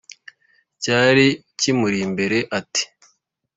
cyari kimuri imbere ati